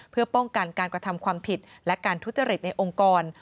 เพื่อป้องกันการกระทำความผิดและการทุจริตในองค์กร